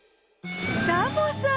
サボさん！